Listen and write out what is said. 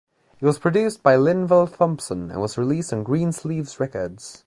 It was produced by Linval Thompson and was released on Greensleeves Records.